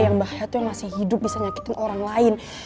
yang bahaya itu yang masih hidup bisa nyakitin orang lain